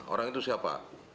orang itu siapa